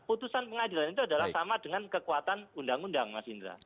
putusan pengadilan itu adalah sama dengan kekuatan undang undang mas indra